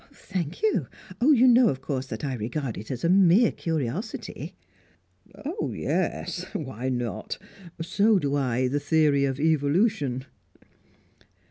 "Thank you. But you know, of course, that I regard it as a mere curiosity." "Oh, yes! Why not? So do I the theory of Evolution."